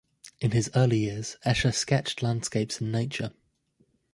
In his early years, Escher sketched landscapes and nature.